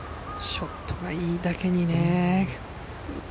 ショットがいいだけにね。